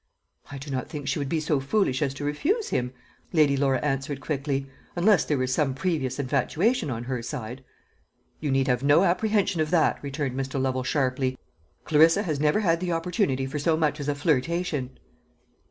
"I do not think she would be so foolish as to refuse him," Lady Laura answered quickly; "unless there were some previous infatuation on her side." "You need have no apprehension of that," returned Mr. Lovel sharply. "Clarissa has never had the opportunity for so much as a flirtation."